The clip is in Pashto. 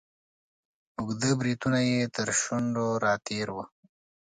اوږده بریتونه یې تر شونډو را تیر وه.